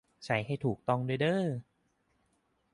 ใช้ให้ถูกต้องด้วยเด้อ